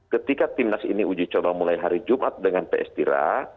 ketika timnas ini uji coba mulai hari jumat dengan ps tira